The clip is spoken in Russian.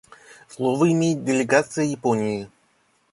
Слово имеет делегация Японии.